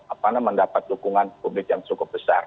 apa namanya mendapat dukungan publik yang cukup besar